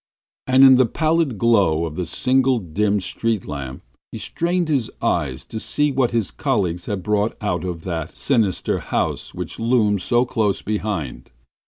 And in the pallid glow of the single dim street lamp he strained his eyes to see what his colleagues had brought out of that sinister house which loomed so close behind.